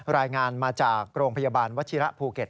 รายงานมาจากโรงพยาบาลวัชิระภูเก็ต